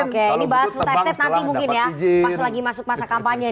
oke ini bahas food exted nanti mungkin ya pas lagi masuk masa kampanye